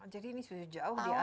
jadi ini sudah jauh di atas ya